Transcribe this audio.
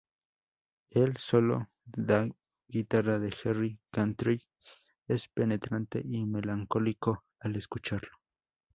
El solo de guitarra de Jerry Cantrell es penetrante y melancólico al escucharlo.